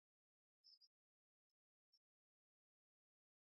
風呂を出た後、またメールを開いた。